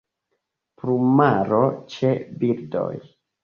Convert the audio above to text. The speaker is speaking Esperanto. Plumaro ĉe birdoj.